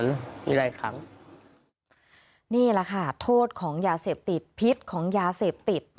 นี่แหละค่ะโทษของยาเสพติดพิษของยาเสพติด